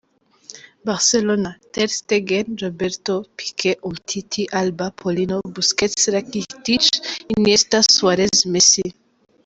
Barcelona: Ter Stegen; Roberto, Piqué, Umtiti, Alba; Paulinho, Busquets, Rakitić, Iniesta; Suárez, Messi.